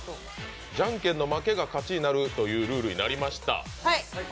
じゃんけんの負けが勝ちになるというルールになりました。